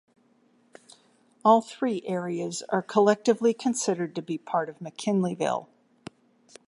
All three areas are collectively considered to be part of McKinleyville.